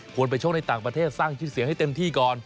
ไปชกในต่างประเทศสร้างชื่อเสียงให้เต็มที่ก่อน